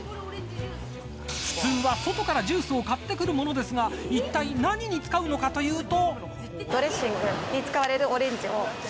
普通は外からジュースを買ってくるものですがいったい何に使うのかというと。